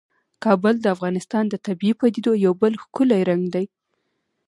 کابل د افغانستان د طبیعي پدیدو یو بل ښکلی رنګ دی.